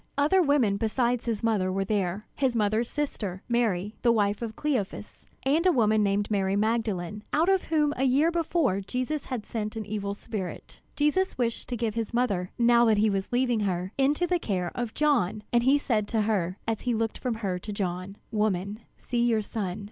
Other women besides his mother were there his mother's sister, Mary the wife of Cleophas, and a woman named Mary Magdalene, out of whom a year before Jesus had sent an evil spirit. Jesus wished to give his mother, now that he was leaving her, into the care of John, and he said to her, as he looked from her to John: "Woman, see your son."